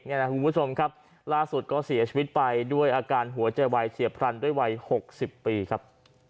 คุณผู้ชมครับล่าสุดก็เสียชีวิตไปด้วยอาการหัวใจวายเฉียบพลันด้วยวัย๖๐ปีครับ